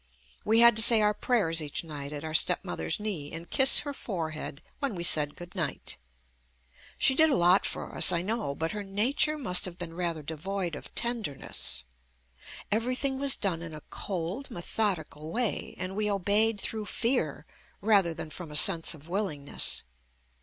We had to say our prayers each night at our stepmother's knee and kiss her forehead when we said good night. She did a lot for us, I know, but her nature must have been rather devoid of tenderness. Everything was done in a cold methodical way, and we obeyed through fear rather than from a sense of willingness.